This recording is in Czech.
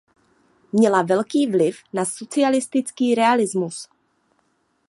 Měla velký vliv na socialistický realismus.